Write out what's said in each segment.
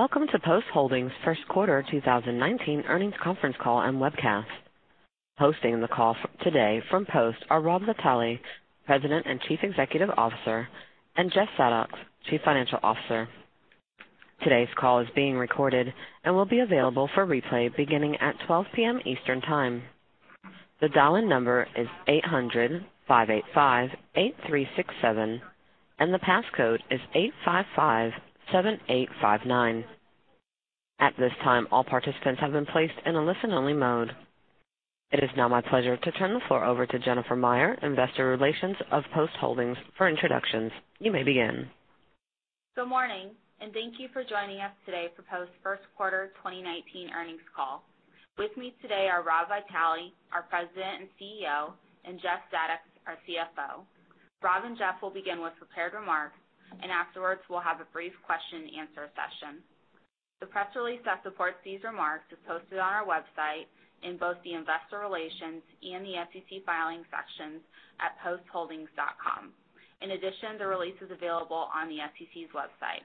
Welcome to Post Holdings' first quarter 2019 earnings conference call and webcast. Hosting the call today from Post are Rob Vitale, President and Chief Executive Officer, and Jeff Zadoks, Chief Financial Officer. Today's call is being recorded and will be available for replay beginning at 12:00 P.M. Eastern Time. The dial-in number is 800-585-8367, and the passcode is 8557859. At this time, all participants have been placed in a listen-only mode. It is now my pleasure to turn the floor over to Jennifer Meyer, Director, Investor Relations of Post Holdings, for introductions. You may begin. Good morning. Thank you for joining us today for Post's first quarter 2019 earnings call. With me today are Rob Vitale, our President and CEO, and Jeff Zadoks, our CFO. Rob and Jeff will begin with prepared remarks. Afterwards, we'll have a brief question and answer session. The press release that supports these remarks is posted on our website in both the Investor Relations and the SEC Filings sections at postholdings.com. In addition, the release is available on the SEC's website.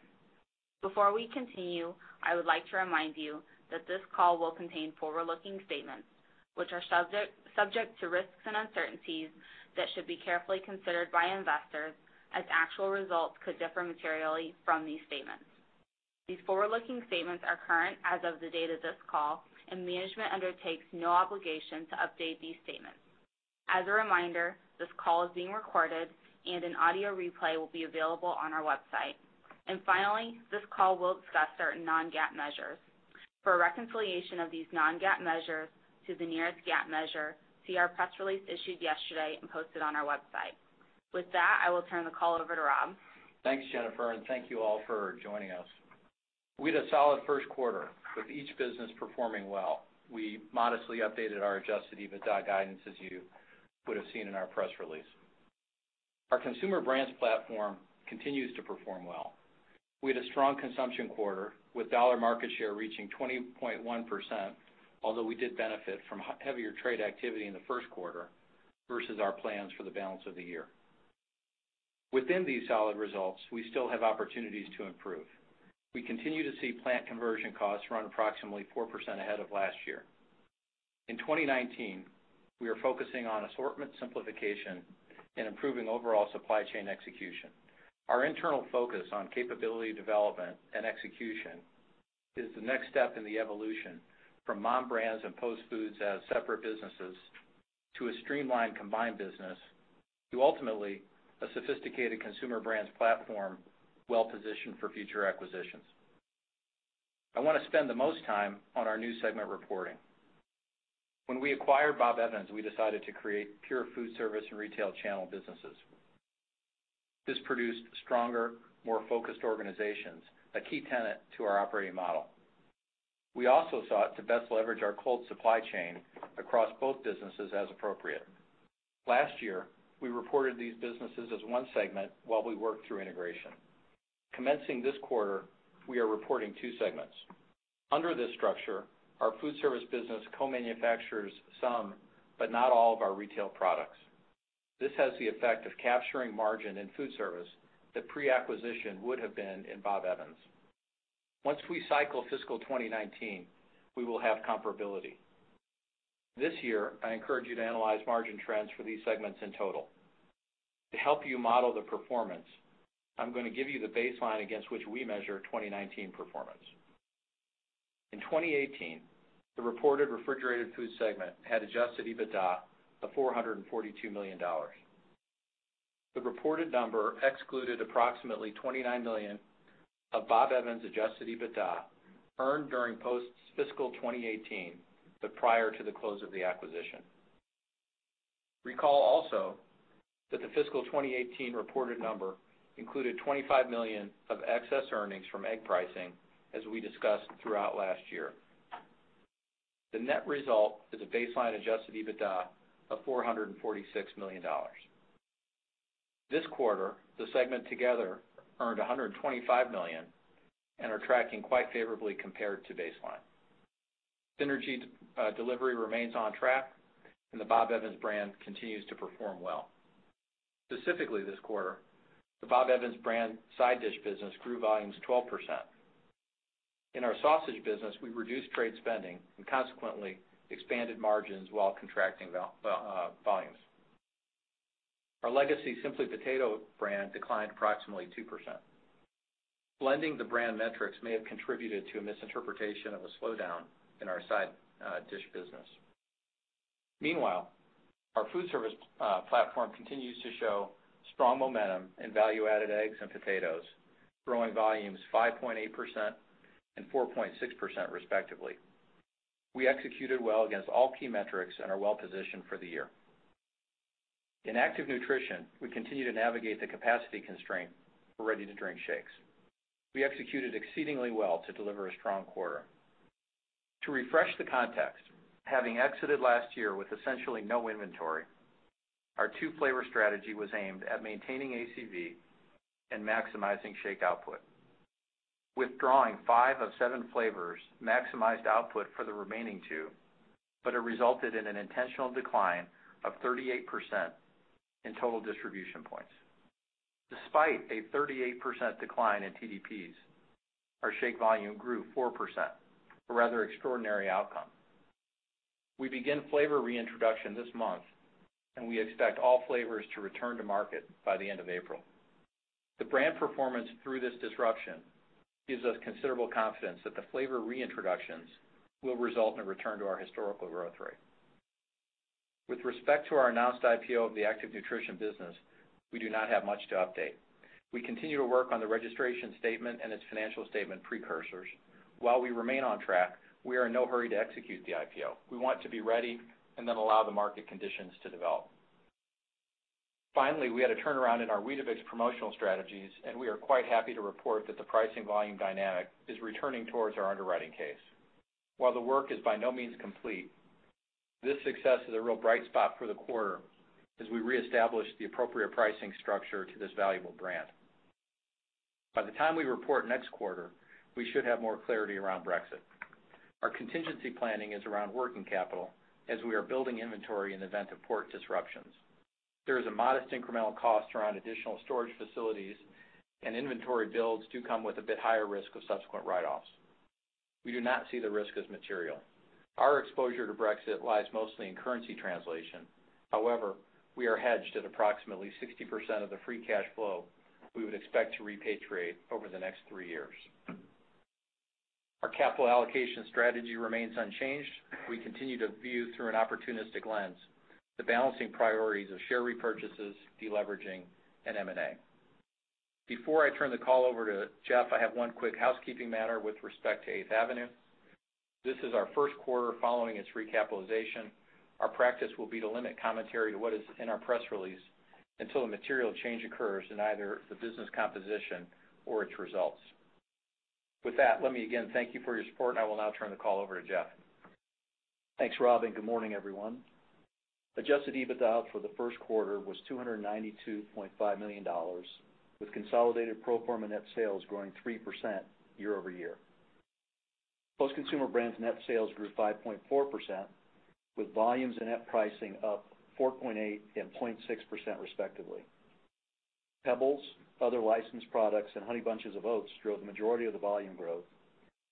Before we continue, I would like to remind you that this call will contain forward-looking statements, which are subject to risks and uncertainties that should be carefully considered by investors, as actual results could differ materially from these statements. These forward-looking statements are current as of the date of this call. Management undertakes no obligation to update these statements. As a reminder, this call is being recorded. An audio replay will be available on our website. Finally, this call will discuss certain non-GAAP measures. For a reconciliation of these non-GAAP measures to the nearest GAAP measure, see our press release issued yesterday and posted on our website. With that, I will turn the call over to Rob. Thanks, Jennifer. Thank you all for joining us. We had a solid first quarter, with each business performing well. We modestly updated our adjusted EBITDA guidance, as you would've seen in our press release. Our Consumer Brands platform continues to perform well. We had a strong consumption quarter, with dollar market share reaching 20.1%, although we did benefit from heavier trade activity in the first quarter versus our plans for the balance of the year. Within these solid results, we still have opportunities to improve. We continue to see plant conversion costs run approximately 4% ahead of last year. In 2019, we are focusing on assortment simplification and improving overall supply chain execution. Our internal focus on capability development and execution is the next step in the evolution from MOM Brands and Post Foods as separate businesses, to a streamlined combined business, to ultimately a sophisticated Consumer Brands platform well-positioned for future acquisitions. I want to spend the most time on our new segment reporting. When we acquired Bob Evans, we decided to create pure Foodservice and retail channel businesses. This produced stronger, more focused organizations, a key tenet to our operating model. We also sought to best leverage our cold supply chain across both businesses as appropriate. Last year, we reported these businesses as one segment while we worked through integration. Commencing this quarter, we are reporting two segments. Under this structure, our Foodservice business co-manufactures some, but not all of our retail products. This has the effect of capturing margin in Foodservice that pre-acquisition would have been in Bob Evans. Once we cycle fiscal 2019, we will have comparability. This year, I encourage you to analyze margin trends for these segments in total. To help you model the performance, I'm going to give you the baseline against which we measure 2019 performance. In 2018, the reported Refrigerated Food segment had adjusted EBITDA of $442 million. The reported number excluded approximately $29 million of Bob Evans adjusted EBITDA earned during Post's fiscal 2018, but prior to the close of the acquisition. Recall also that the fiscal 2018 reported number included $25 million of excess earnings from egg pricing, as we discussed throughout last year. The net result is a baseline adjusted EBITDA of $446 million. This quarter, the segment together earned $125 million and are tracking quite favorably compared to baseline. Synergy delivery remains on track, and the Bob Evans brand continues to perform well. Specifically this quarter, the Bob Evans brand side dish business grew volumes 12%. In our sausage business, we reduced trade spending and consequently expanded margins while contracting volumes. Our legacy Simply Potatoes brand declined approximately 2%. Blending the brand metrics may have contributed to a misinterpretation of a slowdown in our side dish business. Meanwhile, our Foodservice platform continues to show strong momentum in value-added eggs and potatoes, growing volumes 5.8% and 4.6% respectively. We executed well against all key metrics and are well positioned for the year. In Active Nutrition, we continue to navigate the capacity constraint for ready-to-drink shakes. We executed exceedingly well to deliver a strong quarter. To refresh the context, having exited last year with essentially no inventory, our two-flavor strategy was aimed at maintaining ACV and maximizing shake output. Withdrawing five of seven flavors maximized output for the remaining two, but it resulted in an intentional decline of 38% in total distribution points. Despite a 38% decline in TDPs, our shake volume grew 4%, a rather extraordinary outcome. We begin flavor reintroduction this month, and we expect all flavors to return to market by the end of April. The brand performance through this disruption gives us considerable confidence that the flavor reintroductions will result in a return to our historical growth rate. With respect to our announced IPO of the Active Nutrition business, we do not have much to update. We continue to work on the registration statement and its financial statement precursors. While we remain on track, we are in no hurry to execute the IPO. We want to be ready and then allow the market conditions to develop. Finally, we had a turnaround in our Weetabix promotional strategies. We are quite happy to report that the pricing volume dynamic is returning towards our underwriting case. While the work is by no means complete, this success is a real bright spot for the quarter as we reestablish the appropriate pricing structure to this valuable brand. By the time we report next quarter, we should have more clarity around Brexit. Our contingency planning is around working capital as we are building inventory in event of port disruptions. There is a modest incremental cost around additional storage facilities and inventory builds do come with a bit higher risk of subsequent write-offs. We do not see the risk as material. Our exposure to Brexit lies mostly in currency translation. However, we are hedged at approximately 60% of the free cash flow we would expect to repatriate over the next three years. Our capital allocation strategy remains unchanged. We continue to view through an opportunistic lens, the balancing priorities of share repurchases, de-leveraging, and M&A. Before I turn the call over to Jeff, I have one quick housekeeping matter with respect to 8th Avenue. This is our first quarter following its recapitalization. Our practice will be to limit commentary to what is in our press release until a material change occurs in either the business composition or its results. With that, let me again thank you for your support. I will now turn the call over to Jeff. Thanks, Rob. Good morning, everyone. Adjusted EBITDA for the first quarter was $292.5 million, with consolidated pro forma net sales growing 3% year-over-year. Post Consumer Brands net sales grew 5.4%, with volumes and net pricing up 4.8 and 0.6%, respectively. Pebbles, other licensed products, and Honey Bunches of Oats drove the majority of the volume growth,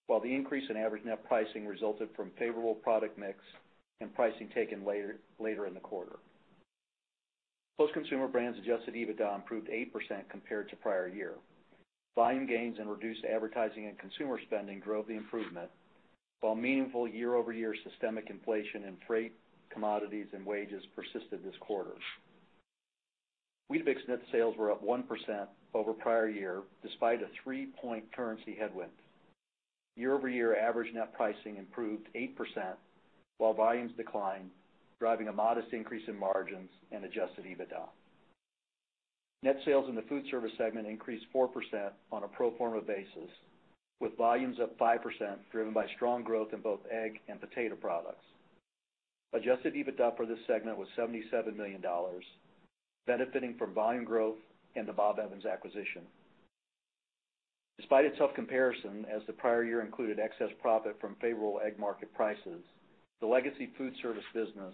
while the increase in average net pricing resulted from favorable product mix and pricing taken later in the quarter. Post Consumer Brands adjusted EBITDA improved 8% compared to prior year. Volume gains and reduced advertising and consumer spending drove the improvement, while meaningful year-over-year systemic inflation in freight, commodities, and wages persisted this quarter. Weetabix net sales were up 1% over prior year, despite a three-point currency headwind. Year-over-year average net pricing improved 8%, while volumes declined, driving a modest increase in margins and adjusted EBITDA. Net sales in the Foodservice segment increased 4% on a pro forma basis, with volumes up 5%, driven by strong growth in both egg and potato products. Adjusted EBITDA for this segment was $77 million, benefiting from volume growth and the Bob Evans acquisition. Despite its tough comparison as the prior year included excess profit from favorable egg market prices, the legacy Foodservice business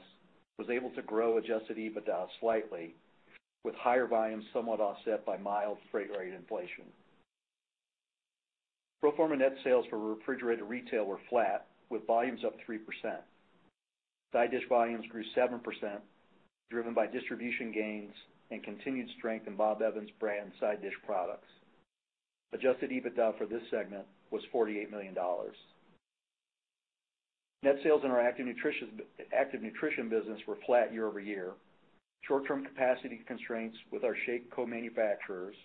was able to grow adjusted EBITDA slightly, with higher volumes somewhat offset by mild freight rate inflation. Pro forma net sales for Refrigerated Retail were flat with volumes up 3%. Side dish volumes grew 7%, driven by distribution gains and continued strength in Bob Evans brand side dish products. Adjusted EBITDA for this segment was $48 million. Net sales in our Active Nutrition business were flat year-over-year. Short-term capacity constraints with our shake co-manufacturers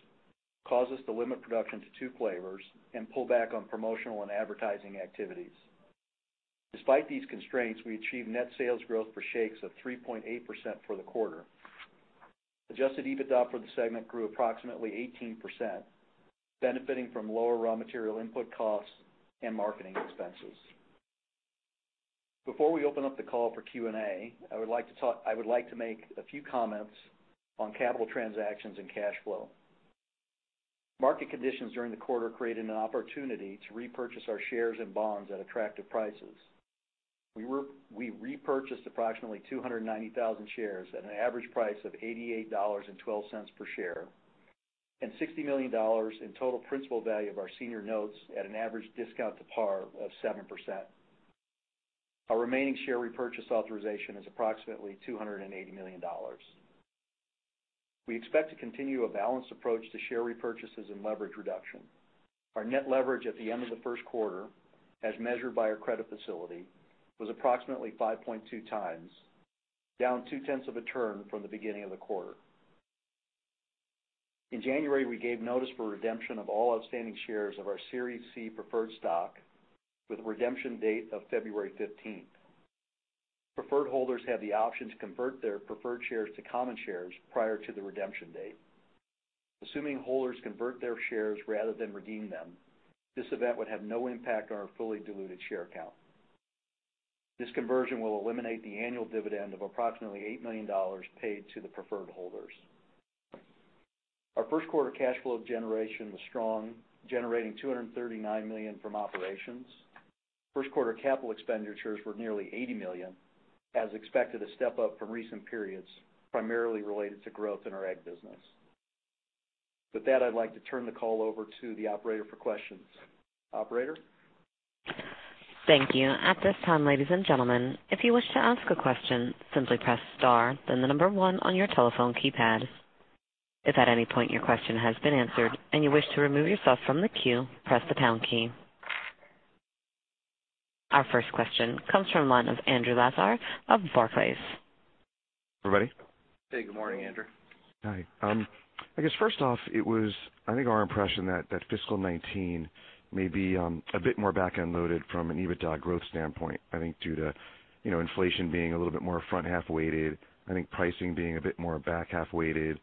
caused us to limit production to two flavors and pull back on promotional and advertising activities. Despite these constraints, we achieved net sales growth for shakes of 3.8% for the quarter. Adjusted EBITDA for the segment grew approximately 18%, benefiting from lower raw material input costs and marketing expenses. Before we open up the call for Q&A, I would like to make a few comments on capital transactions and cash flow. Market conditions during the quarter created an opportunity to repurchase our shares and bonds at attractive prices. We repurchased approximately 290,000 shares at an average price of $88.12 per share and $60 million in total principal value of our senior notes at an average discount to par of 7%. Our remaining share repurchase authorization is approximately $280 million. We expect to continue a balanced approach to share repurchases and leverage reduction. Our net leverage at the end of the first quarter, as measured by our credit facility, was approximately 5.2 times, down two-tenths of a turn from the beginning of the quarter. In January, we gave notice for redemption of all outstanding shares of our Series C preferred stock with a redemption date of February 15th. Preferred holders have the option to convert their preferred shares to common shares prior to the redemption date. Assuming holders convert their shares rather than redeem them, this event would have no impact on our fully diluted share count. This conversion will eliminate the annual dividend of approximately $8 million paid to the preferred holders. Our first quarter cash flow generation was strong, generating $239 million from operations. First quarter capital expenditures were nearly $80 million, as expected, a step-up from recent periods, primarily related to growth in our egg business. With that, I'd like to turn the call over to the operator for questions. Operator? Thank you. At this time, ladies and gentlemen, if you wish to ask a question, simply press star, then the number one on your telephone keypad. If at any point your question has been answered and you wish to remove yourself from the queue, press the pound key. Our first question comes from the line of Andrew Lazar of Barclays. Everybody. Hey, good morning, Andrew. Hi. I guess first off, I think our impression that FY 2019 may be a bit more back-end loaded from an EBITDA growth standpoint, I think due to inflation being a little bit more front-half weighted, I think pricing being a bit more back-half weighted,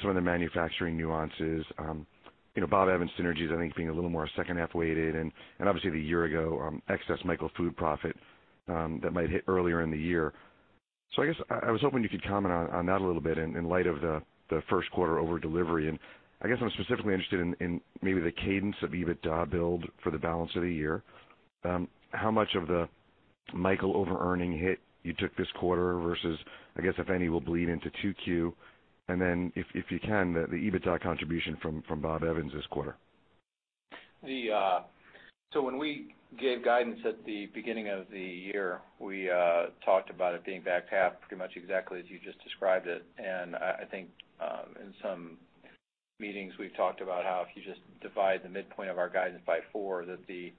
some of the manufacturing nuances. Bob Evans synergies, I think being a little more second-half weighted, and obviously the year-ago excess Michael Foods profit that might hit earlier in the year. I guess I was hoping you could comment on that a little bit in light of the first quarter over-delivery, and I guess I'm specifically interested in maybe the cadence of EBITDA build for the balance of the year. How much of the Michael over-earning hit you took this quarter versus, I guess, if any, will bleed into 2Q, if you can, the EBITDA contribution from Bob Evans this quarter. When we gave guidance at the beginning of the year, we talked about it being back half, pretty much exactly as you just described it. I think, in some meetings, we've talked about how if you just divide the midpoint of our guidance by four, that the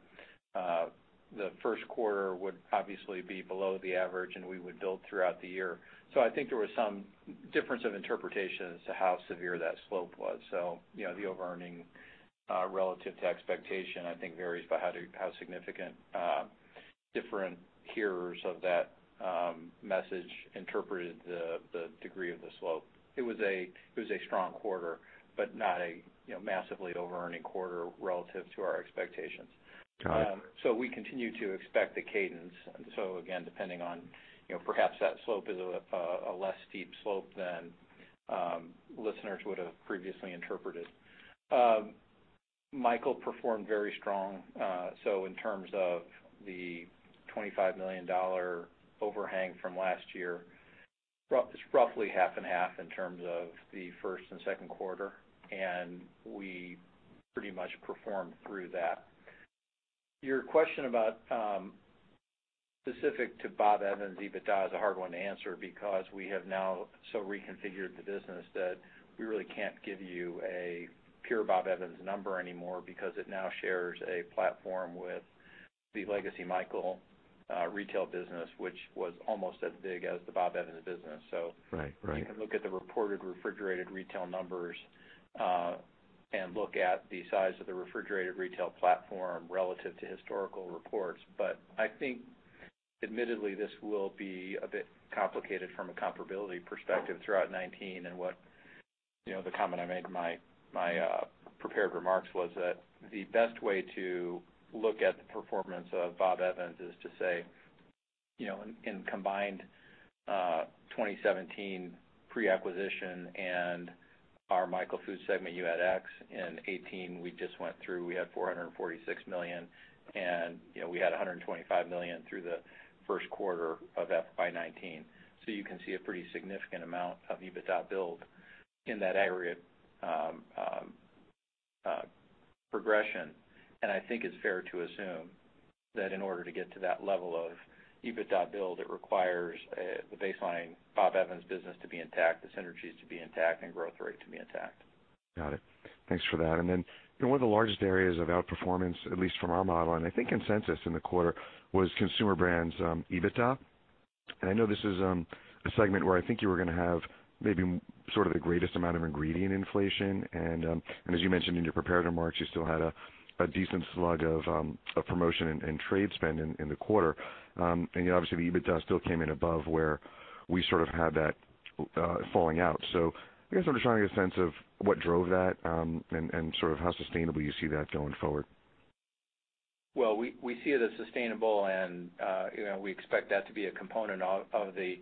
first quarter would obviously be below the average, and we would build throughout the year. I think there was some difference of interpretation as to how severe that slope was. The over-earning relative to expectation, I think varies by how significant different hearers of that message interpreted the degree of the slope. It was a strong quarter, but not a massively over-earning quarter relative to our expectations. Got it. We continue to expect the cadence. Again, depending on perhaps that slope is a less steep slope than listeners would have previously interpreted. Michael Foods performed very strong. In terms of the $25 million overhang from last year, it's roughly half and half in terms of the first and second quarter, and we pretty much performed through that. Your question about specific to Bob Evans EBITDA is a hard one to answer because we have now so reconfigured the business that we really can't give you a pure Bob Evans number anymore because it now shares a platform with the legacy Michael Foods retail business, which was almost as big as the Bob Evans business. Right You can look at the reported Refrigerated Retail numbers, and look at the size of the Refrigerated Retail platform relative to historical reports. I think admittedly, this will be a bit complicated from a comparability perspective throughout 2019, and what the comment I made in my prepared remarks was that the best way to look at the performance of Bob Evans is to say, in combined 2017 pre-acquisition and our Michael Foods segment, you had X. In 2018, we just went through, we had $446 million, and we had $125 million through the first quarter of FY 2019. You can see a pretty significant amount of EBITDA build in that area progression, and I think it's fair to assume that in order to get to that level of EBITDA build, it requires the baseline Bob Evans business to be intact, the synergies to be intact, and growth rate to be intact. Got it. Thanks for that. One of the largest areas of outperformance, at least from our model, and I think consensus in the quarter, was Consumer Brands EBITDA. I know this is a segment where I think you were gonna have maybe sort of the greatest amount of ingredient inflation, and as you mentioned in your prepared remarks, you still had a decent slug of promotion and trade spend in the quarter. Obviously, the EBITDA still came in above where we sort of had that falling out. I guess I'm just trying to get a sense of what drove that, and sort of how sustainable you see that going forward. Well, we see it as sustainable, and we expect that to be a component of the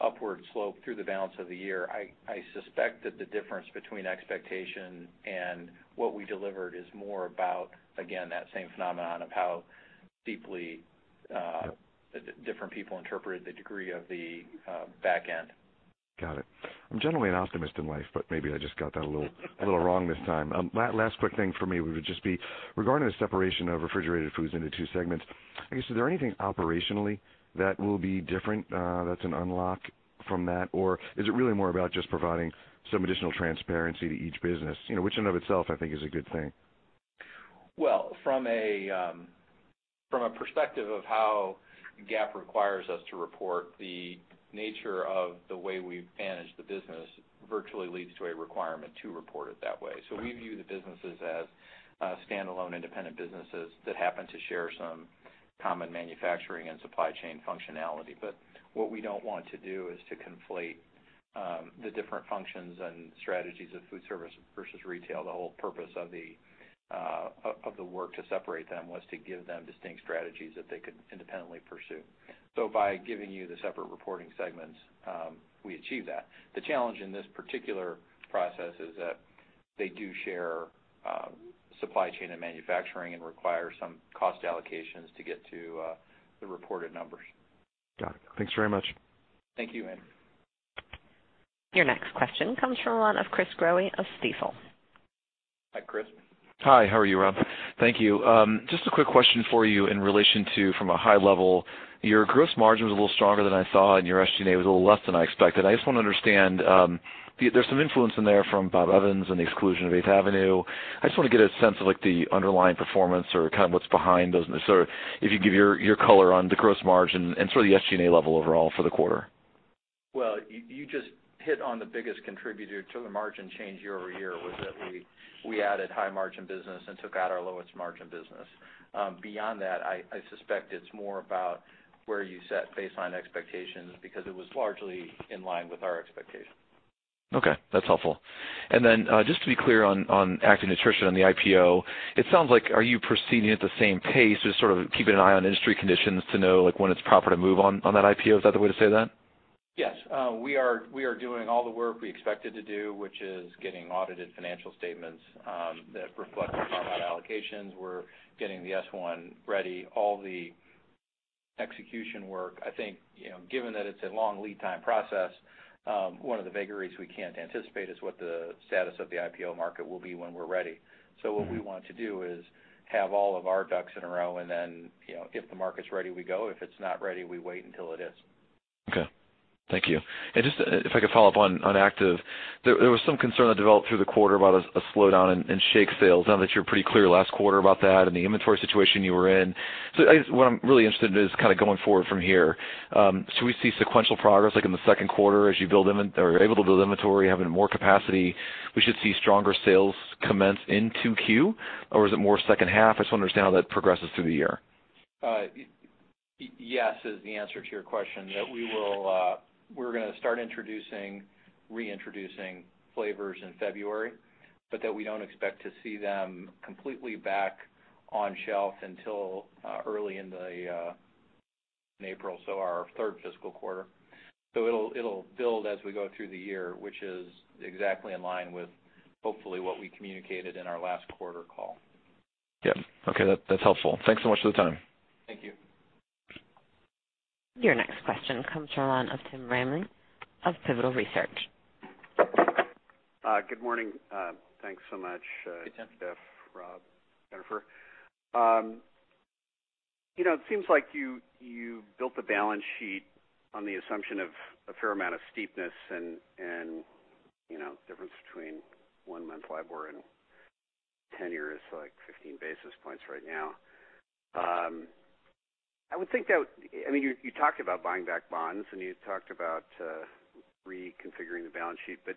upward slope through the balance of the year. I suspect that the difference between expectation and what we delivered is more about, again, that same phenomenon of how deeply different people interpreted the degree of the back end. Got it. I'm generally an optimist in life, maybe I just got that a little wrong this time. Last quick thing for me would just be regarding the separation of Refrigerated Food into two segments, I guess, is there anything operationally that will be different, that's an unlock from that? Is it really more about just providing some additional transparency to each business? Which in of itself I think is a good thing. Well, from a perspective of how GAAP requires us to report the nature of the way we've managed the business virtually leads to a requirement to report it that way. We view the businesses as standalone, independent businesses that happen to share some common manufacturing and supply chain functionality. What we don't want to do is to conflate the different functions and strategies of Foodservice versus retail. The whole purpose of the work to separate them was to give them distinct strategies that they could independently pursue. By giving you the separate reporting segments, we achieve that. The challenge in this particular process is that they do share supply chain and manufacturing and require some cost allocations to get to the reported numbers. Got it. Thanks very much. Thank you, Andrew. Your next question comes from the line of Chris Growe of Stifel. Hi, Chris. Hi, how are you, Rob? Thank you. Just a quick question for you in relation to, from a high level, your gross margin was a little stronger than I saw, and your SG&A was a little less than I expected. I just want to understand, there's some influence in there from Bob Evans and the exclusion of 8th Avenue. I just want to get a sense of the underlying performance or what's behind those. If you give your color on the gross margin and the SG&A level overall for the quarter. Well, you just hit on the biggest contributor to the margin change year-over-year, was that we added high-margin business and took out our lowest-margin business. Beyond that, I suspect it's more about where you set baseline expectations because it was largely in line with our expectations. Okay, that's helpful. Just to be clear on Active Nutrition and the IPO, it sounds like, are you proceeding at the same pace, just sort of keeping an eye on industry conditions to know when it's proper to move on that IPO? Is that the way to say that? Yes. We are doing all the work we expected to do, which is getting audited financial statements that reflect the proper allocations. We're getting the S-1 ready, all the execution work. I think, given that it's a long lead time process, one of the vagaries we can't anticipate is what the status of the IPO market will be when we're ready. What we want to do is have all of our ducks in a row, and then, if the market's ready, we go. If it's not ready, we wait until it is. Okay. Thank you. Just, if I could follow up on Active. There was some concern that developed through the quarter about a slowdown in shake sales, now that you're pretty clear last quarter about that and the inventory situation you were in. What I'm really interested in is kind of going forward from here. Should we see sequential progress like in the second quarter, as you are able to build inventory, having more capacity, we should see stronger sales commence in 2Q, or is it more second half? I just want to understand how that progresses through the year. Yes is the answer to your question. We're going to start reintroducing flavors in February, we don't expect to see them completely back on shelf until early in April, so our third fiscal quarter. It'll build as we go through the year, which is exactly in line with hopefully what we communicated in our last quarter call. Yep. Okay. That's helpful. Thanks so much for the time. Thank you. Your next question comes from the line of Tim Ramey of Pivotal Research. Good morning. Thanks so much- Good Tim Jeff, Rob, Jennifer. It seems like you built the balance sheet on the assumption of a fair amount of steepness and difference between one month LIBOR and 10-year is like 15 basis points right now. I would think that, you talked about buying back bonds, and you talked about reconfiguring the balance sheet, but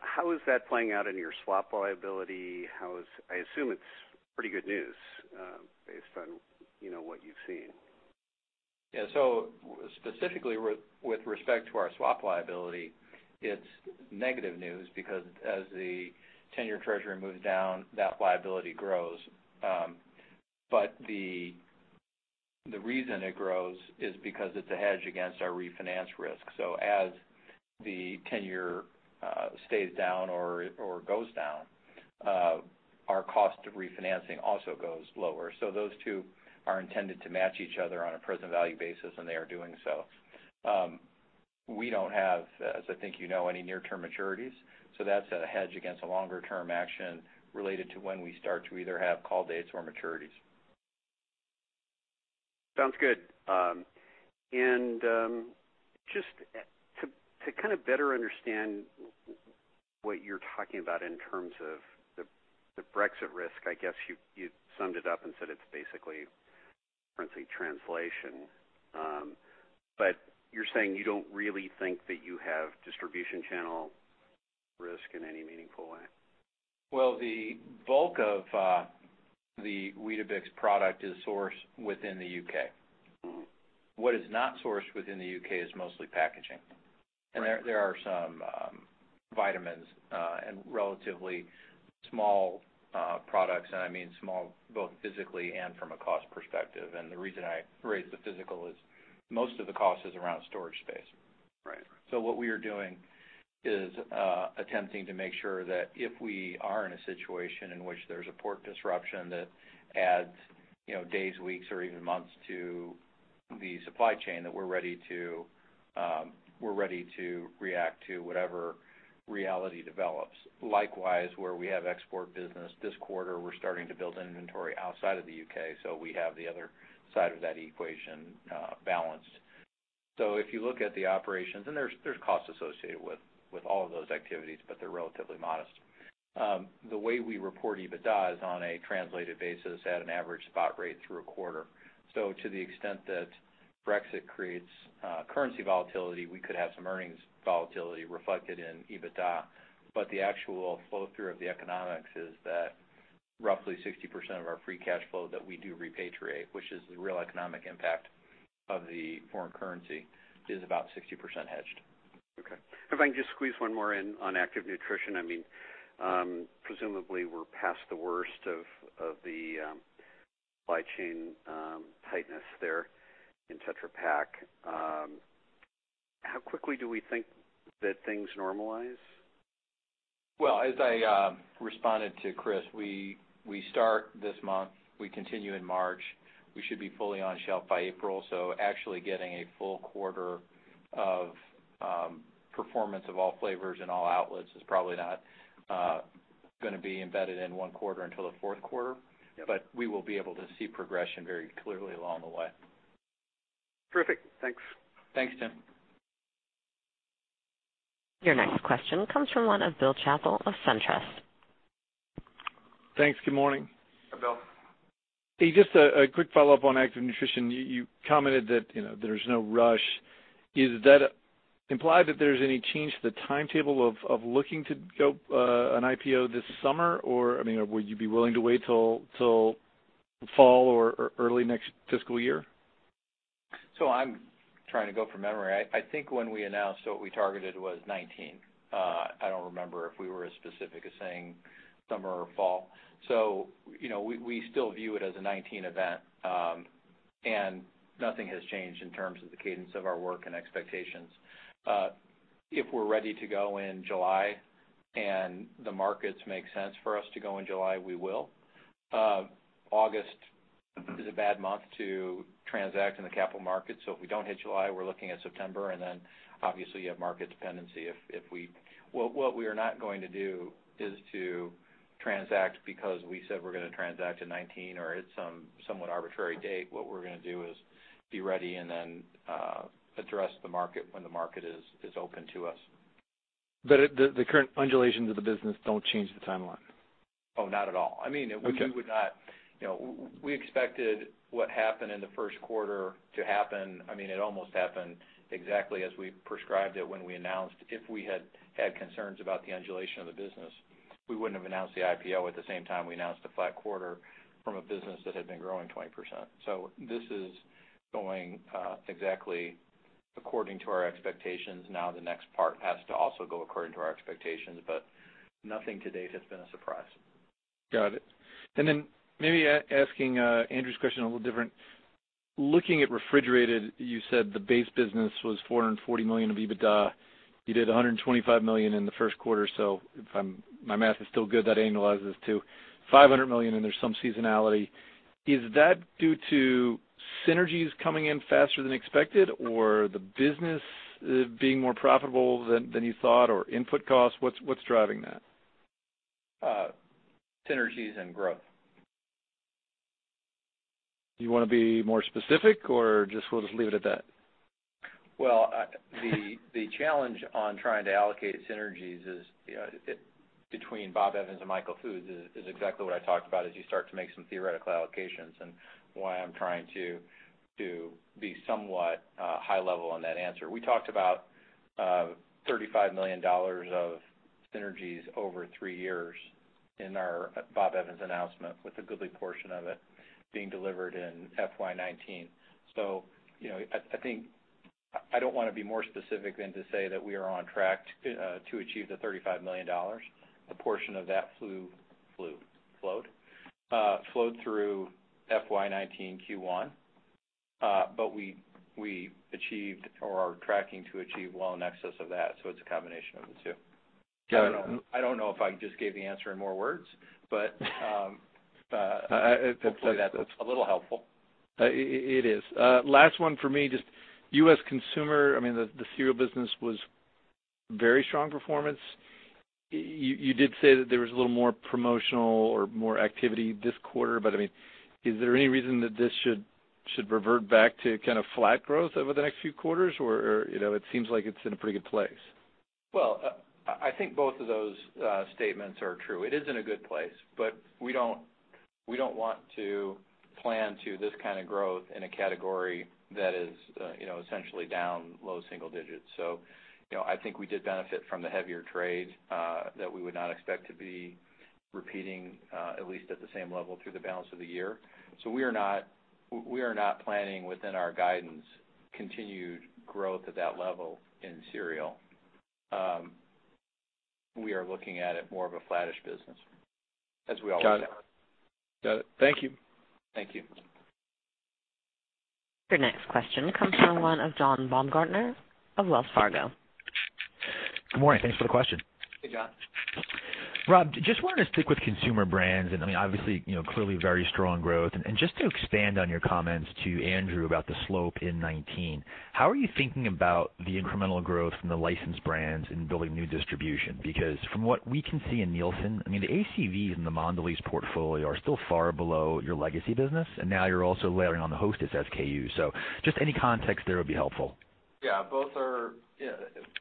how is that playing out in your swap liability? I assume it's pretty good news, based on what you've seen. Specifically with respect to our swap liability, it's negative news because as the 10-year Treasury moves down, that liability grows. The reason it grows is because it's a hedge against our refinance risk. As the 10-year stays down or goes down, our cost of refinancing also goes lower. Those two are intended to match each other on a present value basis, and they are doing so. We don't have, as I think you know, any near-term maturities, so that's a hedge against a longer-term action related to when we start to either have call dates or maturities. Sounds good. Just to kind of better understand what you're talking about in terms of the Brexit risk, I guess you summed it up and said it's basically currency translation. You're saying you don't really think that you have distribution channel risk in any meaningful way? Well, the bulk of the Weetabix product is sourced within the U.K. What is not sourced within the U.K. is mostly packaging. Right. There are some vitamins, and relatively small products, and I mean small both physically and from a cost perspective. The reason I raise the physical is most of the cost is around storage space. Right. What we are doing is attempting to make sure that if we are in a situation in which there's a port disruption that adds days, weeks, or even months to the supply chain, that we're ready to react to whatever reality develops. Likewise, where we have export business this quarter, we're starting to build inventory outside of the U.K., so we have the other side of that equation balanced. If you look at the operations, and there's costs associated with all of those activities, but they're relatively modest. The way we report EBITDA is on a translated basis at an average spot rate through a quarter. To the extent that Brexit creates currency volatility, we could have some earnings volatility reflected in EBITDA. The actual flow-through of the economics is that roughly 60% of our free cash flow that we do repatriate, which is the real economic impact of the foreign currency, is about 60% hedged. Okay. If I can just squeeze one more in on Active Nutrition. Presumably we're past the worst of the supply chain tightness there in Tetra Pak. How quickly do we think that things normalize? Well, as I responded to Chris, we start this month. We continue in March. We should be fully on shelf by April. Actually getting a full quarter of performance of all flavors and all outlets is probably not going to be embedded in one quarter until the fourth quarter. Yeah. We will be able to see progression very clearly along the way. Terrific. Thanks. Thanks, Tim. Your next question comes from one of Bill Chappell of SunTrust. Thanks. Good morning. Hi, Bill. Hey, just a quick follow-up on Active Nutrition. You commented that there's no rush. Is that implied that there's any change to the timetable of looking to go an IPO this summer, or would you be willing to wait till fall or early next fiscal year? I'm trying to go from memory. I think when we announced what we targeted was 2019. I don't remember if we were as specific as saying summer or fall. We still view it as a 2019 event. Nothing has changed in terms of the cadence of our work and expectations. If we're ready to go in July and the markets make sense for us to go in July, we will. August is a bad month to transact in the capital markets, so if we don't hit July, we're looking at September, and then obviously you have market dependency. What we are not going to do is to transact because we said we're going to transact in 2019 or at some somewhat arbitrary date. What we're going to do is be ready and then address the market when the market is open to us. The current undulations of the business don't change the timeline? Not at all. Okay. We expected what happened in the first quarter to happen. It almost happened exactly as we prescribed it when we announced. If we had had concerns about the undulation of the business, we wouldn't have announced the IPO at the same time we announced a flat quarter from a business that had been growing 20%. This is going exactly according to our expectations. Now the next part has to also go according to our expectations, nothing to date has been a surprise. Got it. Then maybe asking Andrew's question a little different. Looking at refrigerated, you said the base business was $440 million of EBITDA. You did $125 million in the first quarter, so if my math is still good, that annualizes to $500 million and there's some seasonality. Is that due to synergies coming in faster than expected, or the business being more profitable than you thought, or input costs? What's driving that? Synergies and growth. Do you want to be more specific or we'll just leave it at that? Well, the challenge on trying to allocate synergies between Bob Evans and Michael Foods is exactly what I talked about, as you start to make some theoretical allocations and why I'm trying to be somewhat high level on that answer. We talked about $35 million of synergies over three years in our Bob Evans announcement, with a goodly portion of it being delivered in FY '19. I don't want to be more specific than to say that we are on track to achieve the $35 million. A portion of that flowed through FY '19 Q1. We achieved or are tracking to achieve well in excess of that, so it's a combination of the two. Got it. I don't know if I just gave the answer in more words, hopefully that's a little helpful. It is. Last one for me, just U.S. consumer, the cereal business was very strong performance. You did say that there was a little more promotional or more activity this quarter, is there any reason that this should revert back to kind of flat growth over the next few quarters, or it seems like it's in a pretty good place? I think both of those statements are true. It is in a good place, we don't want to plan to this kind of growth in a category that is essentially down low single digits. I think we did benefit from the heavier trade, that we would not expect to be repeating, at least at the same level through the balance of the year. We are not planning within our guidance continued growth at that level in cereal. We are looking at it more of a flattish business, as we always have. Got it. Thank you. Thank you. Your next question comes from one of John Baumgartner of Wells Fargo. Good morning. Thanks for the question. Hey, John. Rob, just wanted to stick with Consumer Brands and obviously, clearly very strong growth. Just to expand on your comments to Andrew about the slope in 2019, how are you thinking about the incremental growth from the licensed brands and building new distribution? Because from what we can see in Nielsen, the ACVs in the Mondelēz portfolio are still far below your legacy business, and now you're also layering on the Hostess SKUs. Just any context there would be helpful. Yeah.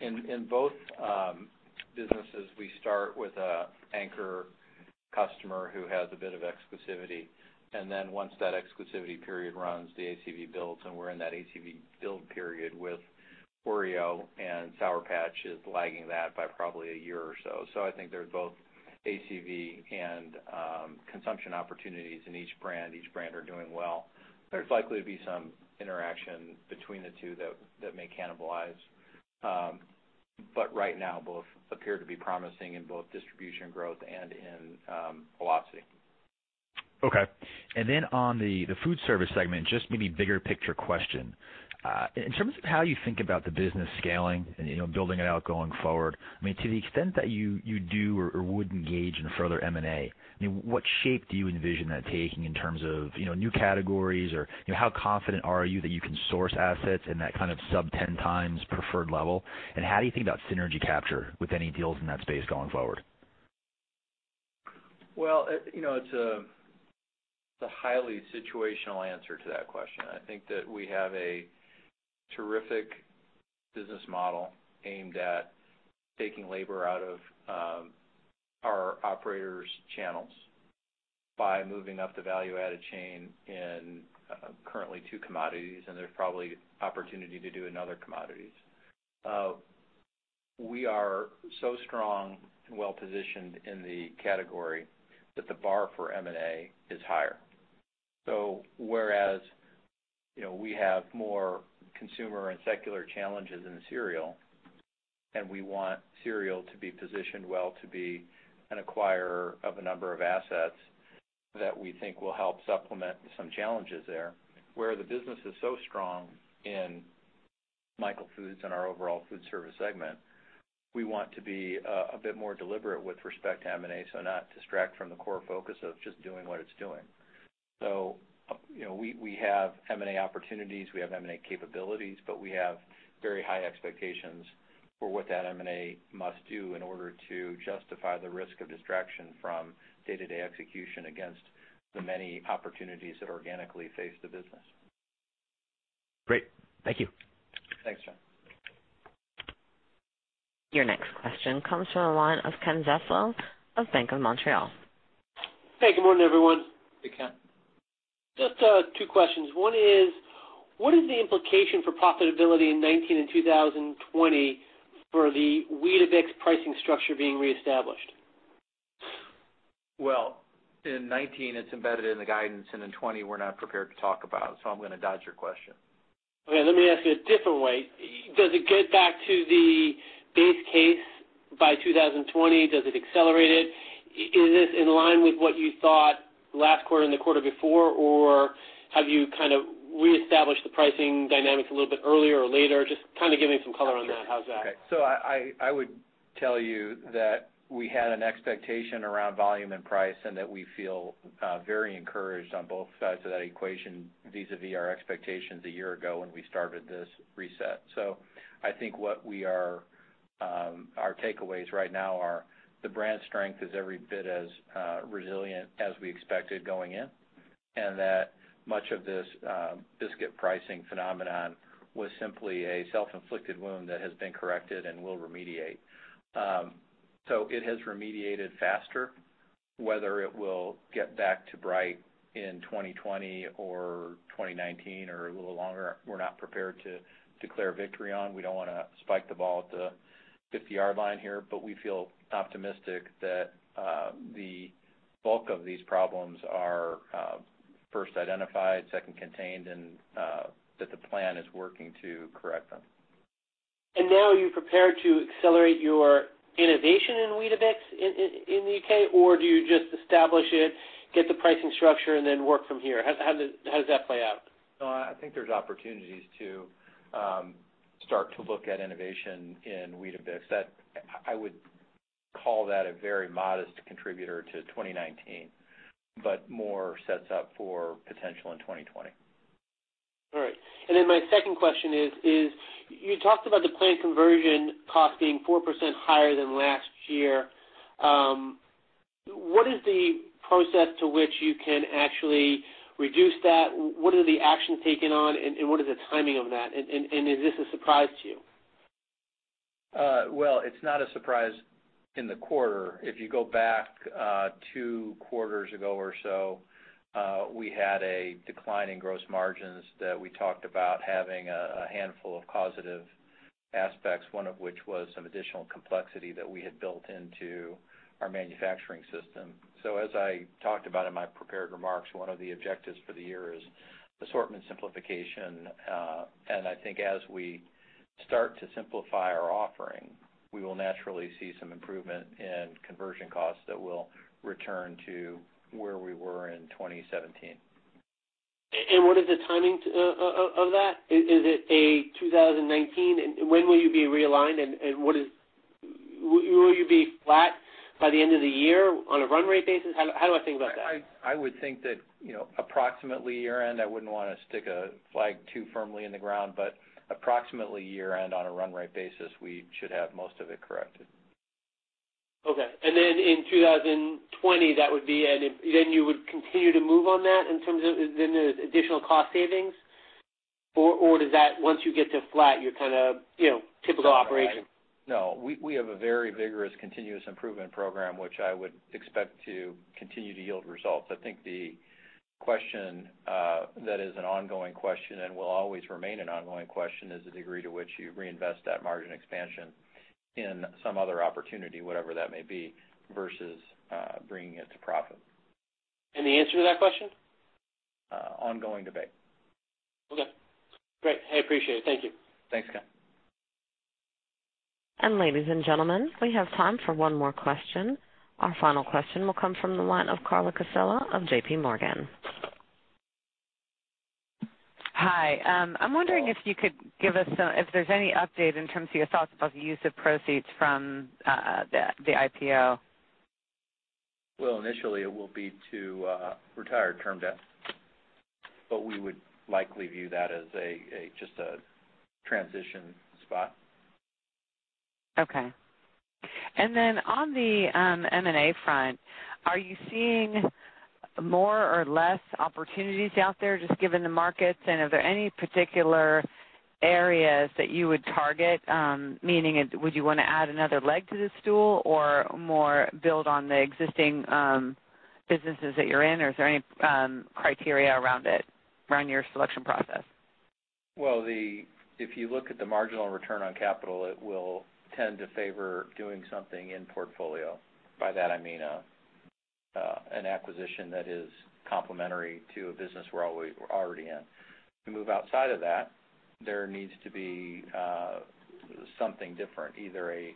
In both businesses, we start with an anchor customer who has a bit of exclusivity. Once that exclusivity period runs, the ACV builds, and we're in that ACV build period with Oreo and Sour Patch is lagging that by probably a year or so. I think there's both ACV and consumption opportunities in each brand. Each brand are doing well. There's likely to be some interaction between the two that may cannibalize. Right now, both appear to be promising in both distribution growth and in velocity. Okay. On the Foodservice segment, just maybe bigger picture question. In terms of how you think about the business scaling and building it out going forward, to the extent that you do or would engage in further M&A, what shape do you envision that taking in terms of new categories? Or how confident are you that you can source assets in that kind of sub 10x preferred level? How do you think about synergy capture with any deals in that space going forward? Well, it's a highly situational answer to that question. I think that we have a terrific business model aimed at taking labor out of our operators' channels by moving up the value-added chain in currently two commodities, and there's probably opportunity to do in other commodities. We are so strong and well-positioned in the category that the bar for M&A is higher. Whereas, we have more consumer and secular challenges in cereal, and we want cereal to be positioned well to be an acquirer of a number of assets that we think will help supplement some challenges there, where the business is so strong in Michael Foods and our overall Foodservice segment, we want to be a bit more deliberate with respect to M&A, so not distract from the core focus of just doing what it's doing. We have M&A opportunities, we have M&A capabilities, but we have very high expectations for what that M&A must do in order to justify the risk of distraction from day-to-day execution against the many opportunities that organically face the business. Great. Thank you. Thanks, John. Your next question comes from the line of Ken Zaslow of Bank of Montreal. Hey, good morning, everyone. Hey, Ken. Just two questions. One is, what is the implication for profitability in 2019 and 2020 for the Weetabix pricing structure being reestablished? In 2019, it's embedded in the guidance, and in 2020, we're not prepared to talk about, so I'm going to dodge your question. Let me ask you a different way. Does it get back to the base case by 2020? Does it accelerate it? Is this in line with what you thought last quarter and the quarter before, or have you kind of reestablished the pricing dynamics a little bit earlier or later? Just kind of give me some color on that. How's that? I would tell you that we had an expectation around volume and price, and that we feel very encouraged on both sides of that equation vis-a-vis our expectations a year ago when we started this reset. I think what our takeaways right now are, the brand strength is every bit as resilient as we expected going in, and that much of this biscuit pricing phenomenon was simply a self-inflicted wound that has been corrected and will remediate. It has remediated faster. Whether it will get back to bright in 2020 or 2019 or a little longer, we're not prepared to declare victory on. We don't wanna spike the ball at the 50-yard line here, but we feel optimistic that the bulk of these problems are first identified, second contained, and that the plan is working to correct them. Now are you prepared to accelerate your innovation in Weetabix in the U.K., or do you just establish it, get the pricing structure, and then work from here? How does that play out? I think there's opportunities to start to look at innovation in Weetabix. I would call that a very modest contributor to 2019, but more sets up for potential in 2020. All right. My second question is, you talked about the plant conversion costing 4% higher than last year. What is the process to which you can actually reduce that? What are the actions taken on, and what is the timing of that? Is this a surprise to you? Well, it's not a surprise in the quarter. If you go back two quarters ago or so, we had a decline in gross margins that we talked about having a handful of causative aspects, one of which was some additional complexity that we had built into our manufacturing system. As I talked about in my prepared remarks, one of the objectives for the year is assortment simplification. I think as we start to simplify our offering, we will naturally see some improvement in conversion costs that will return to where we were in 2017. What is the timing of that? Is it a 2019? When will you be realigned, and will you be flat by the end of the year on a run rate basis? How do I think about that? I would think that approximately year-end. I wouldn't want to stick a flag too firmly in the ground, but approximately year-end on a run rate basis, we should have most of it corrected. Okay. In 2020, then you would continue to move on that in terms of then the additional cost savings? Does that, once you get to flat, you're kind of typical operation? No. We have a very vigorous continuous improvement program, which I would expect to continue to yield results. I think the question that is an ongoing question and will always remain an ongoing question is the degree to which you reinvest that margin expansion in some other opportunity, whatever that may be, versus bringing it to profit. The answer to that question? Ongoing debate. Okay, great. I appreciate it. Thank you. Thanks, Ken. ladies and gentlemen, we have time for one more question. Our final question will come from the line of Carla Casella of J.P. Morgan. Hi. I'm wondering if there's any update in terms of your thoughts about the use of proceeds from the IPO. Well, initially it will be to retire term debt. We would likely view that as just a transition spot. Okay. On the M&A front, are you seeing more or less opportunities out there, just given the markets? Are there any particular areas that you would target? Meaning, would you want to add another leg to the stool or more build on the existing businesses that you're in? Is there any criteria around it, around your selection process? Well, if you look at the marginal return on capital, it will tend to favor doing something in portfolio. By that I mean, an acquisition that is complementary to a business we're already in. To move outside of that, there needs to be something different, either a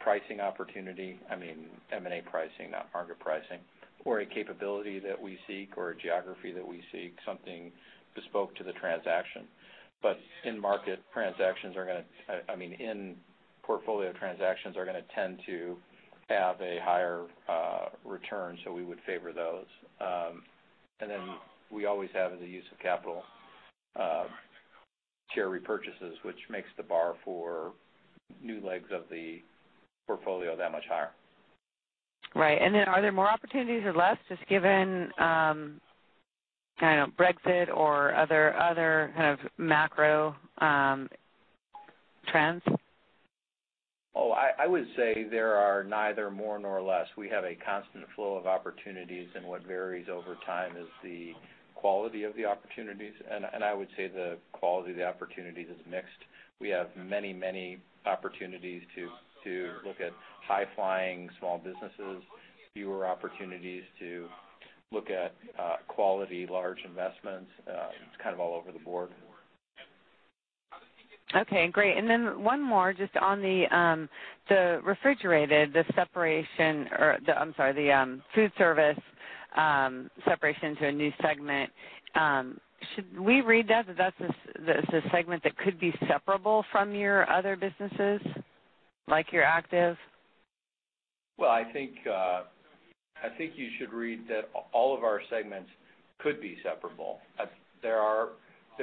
pricing opportunity, I mean M&A pricing, not market pricing, or a capability that we seek or a geography that we seek, something bespoke to the transaction. In-portfolio transactions are going to tend to have a higher return, so we would favor those. We always have the use of capital share repurchases, which makes the bar for new legs of the portfolio that much higher. Right. Are there more opportunities or less, just given Brexit or other kind of macro trends? I would say there are neither more nor less. We have a constant flow of opportunities, and what varies over time is the quality of the opportunities. I would say the quality of the opportunities is mixed. We have many opportunities to look at high-flying small businesses, fewer opportunities to look at quality large investments. It's kind of all over the board. Okay, great. Then one more just on the refrigerated, the separation or, I'm sorry, the Foodservice separation to a new segment. Should we read that that's a segment that could be separable from your other businesses, like your Active? Well, I think you should read that all of our segments could be separable. There are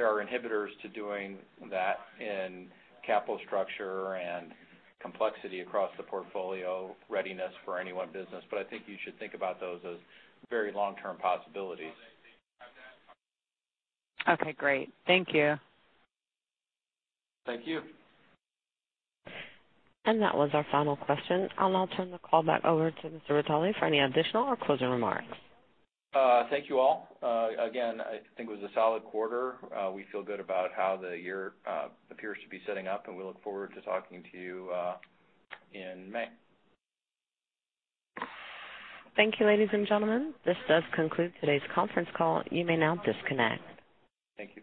inhibitors to doing that in capital structure and complexity across the portfolio, readiness for any one business. I think you should think about those as very long-term possibilities. Okay, great. Thank you. Thank you. That was our final question. I'll now turn the call back over to Mr. Vitale for any additional or closing remarks. Thank you all. Again, I think it was a solid quarter. We feel good about how the year appears to be setting up, and we look forward to talking to you in May. Thank you, ladies and gentlemen. This does conclude today's conference call. You may now disconnect. Thank you